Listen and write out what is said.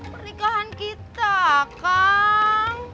pernikahan kita kang